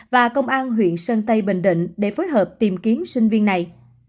và công an huyện sơn tây bình định để phối hợp tìm kiếm sinh viên này